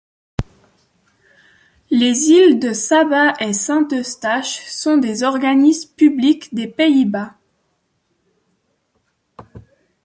Les îles de Saba et Saint-Eustache sont des organismes publics des Pays-Bas.